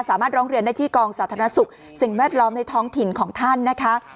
ร้องเรียนได้ที่กองสาธารณสุขสิ่งแวดล้อมในท้องถิ่นของท่านนะคะ